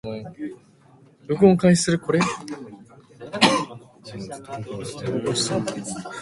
あの日あの時